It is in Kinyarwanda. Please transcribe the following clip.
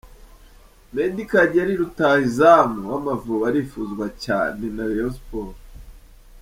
Meddie Kagere, Rutahizamu w’Amavubi arifuzwa cyane na Rayon Sport.